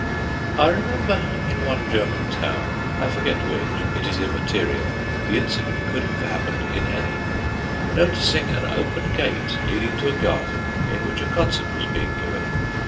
I remember in one German town I forget which; it is immaterial; the incident could have happened in any noticing an open gate leading to a garden in which a concert was being given.